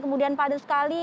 kemudian padat sekali